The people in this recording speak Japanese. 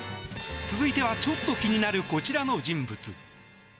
続いてはちょっと気になるこちらの人物。